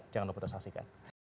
jangan lupa tersaksikan